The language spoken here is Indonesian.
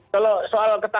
kalau soal ketaatan